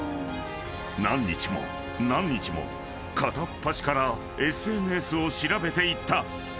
［何日も何日も片っ端からＳＮＳを調べていった］